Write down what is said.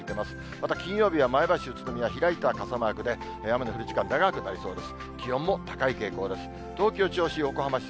また金曜日は前橋、宇都宮は開いた傘マークで、雨の降る時間、長くなりそうです。